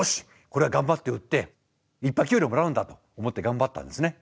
これは頑張って売っていっぱい給料をもらうんだと思って頑張ったんですね。